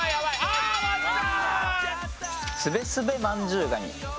あ終わった！